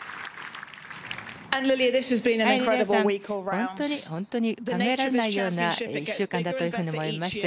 本当に本当に考えられないような１週間だと思います。